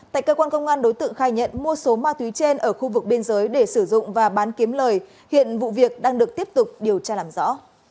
tại cơ quan công an đối tượng khai nhận mua số ma túy trên ở khu vực biên giới để sử dụng và bán kiếm lời hiện vụ việc đang được tiếp tục điều tra làm rõ